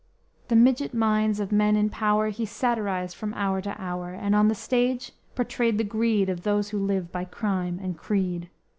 The midget minds of men in power He satirized from hour to hour, And on the stage portrayed the greed Of those who live by crime and creed.